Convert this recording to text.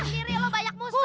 diri lo banyak musuh